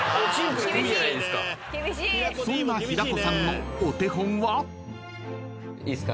［そんな平子さんのお手本は］いいっすか？